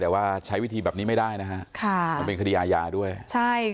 แต่ว่าใช้วิธีแบบนี้ไม่ได้นะฮะค่ะมันเป็นคดีอาญาด้วยใช่